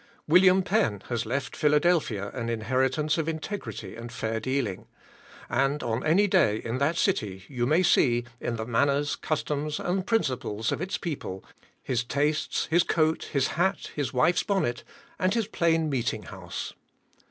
William Penn has left Philadelphia an inheritance of integrity and fair dealing; and on any day in that city you may see in the manners, customs, and principles of its people, his tastes, his coat, his hat, his wife's bonnet, and his plain meeting house.